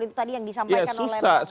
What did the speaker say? itu tadi yang disampaikan oleh pak neng